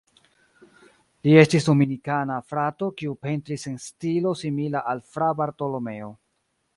Li estis Dominikana frato kiu pentris en stilo simila al Fra Bartolomeo.